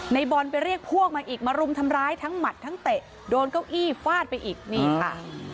ในบอลไปเรียกพวกมาอีกมารุมทำร้ายทั้งหมัดทั้งเตะโดนเก้าอี้ฟาดไปอีกนี่ค่ะ